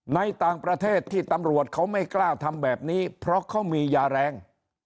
ในต่างประเทศที่ตำรวจเขาไม่กล้าทำแบบนี้เพราะเขามียาแรง